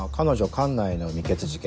管内の未決事件